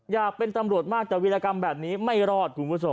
อยากเป็นตำรวจมากแต่วิริกรรมแบบนี้ไม่รอด